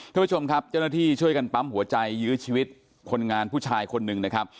ท่านผู้ชมครับเจ้าหน้าที่ช่วยกันปั๊มหัวใจยื้อชีวิตคนงานผู้ชายคนหนึ่งนะครับ